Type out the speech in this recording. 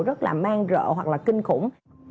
rất là mang rợ hoặc là kinh khủng